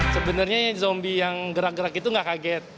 sebenarnya zombie yang gerak gerak itu gak kaget